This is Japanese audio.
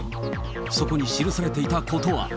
そこに記されていたことは。